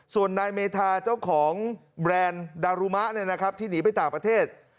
ส่วนนายเมธาเจ้าของแบรนด์ดารุมะที่หนีไปต่างประเทศ